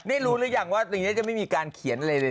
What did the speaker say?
นี่รู้หรือยังว่าตรงนี้จะไม่มีการเขียนอะไรทั้งสิ้น